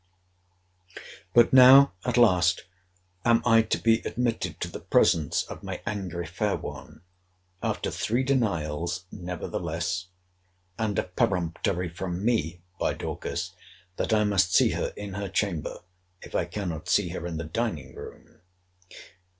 But now, at last, am I to be admitted to the presence of my angry fair one; after three denials, nevertheless; and a peremptory from me, by Dorcas, that I must see her in her chamber, if I cannot see her in the dining room.